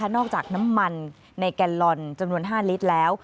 นอกจากน้ำมันในแกนลอนจำนวน๕ลิตรแล้ว